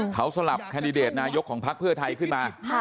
เขาสลับแคนดิเดตนายกของพักเพื่อไทยขึ้นมา